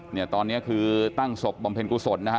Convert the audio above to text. เนี่ยตอนนี้คือตั้งศพบำเพ็ญกุศลนะฮะ